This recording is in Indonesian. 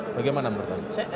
bagaimana menurut anda